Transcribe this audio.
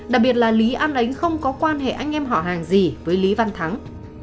đặc biệt là lý an đánh không có quan hệ anh em họ hàng gì với lý văn thắng